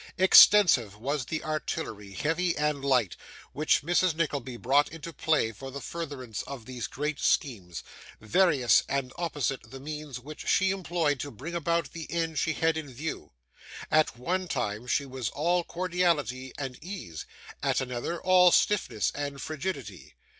Extensive was the artillery, heavy and light, which Mrs. Nickleby brought into play for the furtherance of these great schemes; various and opposite the means which she employed to bring about the end she had in view. At one time, she was all cordiality and ease; at another, all stiffness and frigidity.